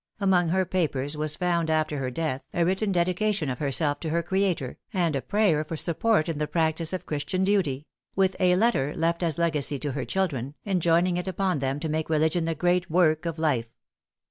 Among her papers was found after her death a written dedication of herself to her Creator, and a prayer for support in the practice of Christian duty; with a letter, left as a legacy to her children, enjoining it upon them to make religion the great work of life.